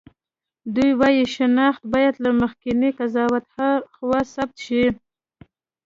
دوی وايي شناخت باید له مخکېني قضاوت هاخوا ثبت شي.